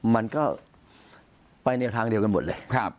มันก็ไปแนวทางเดียวกันหมดเลย